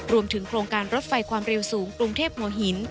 รวมถึงโครงการรถไฟความเร็วสูงกรุงเทพหัวหิน